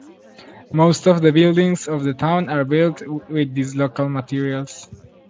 Most of the buildings of the town are built with these local materials.